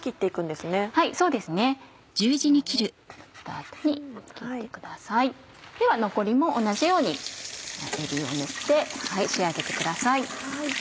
では残りも同じようにえびを塗って仕上げてください。